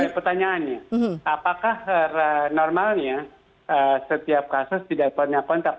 pertanyaannya apakah normalnya setiap kasus tidak pernah kontak